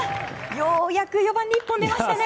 ようやく４番に一本が出ましたね。